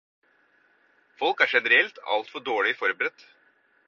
Folk er generelt altfor dårlig forberedt.